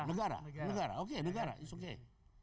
negara oke negara it's okay